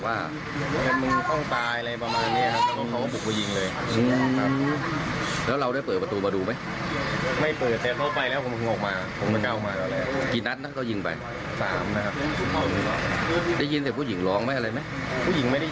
ไม่ได้ยินเสียงผู้หญิงร้องมั้ยอะไรมั้ยผู้หญิงไม่ได้ยินเสียงร้องเลยครับ